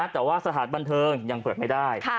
แต่ว่าสถานบันเทิงยังเปิดไม่ได้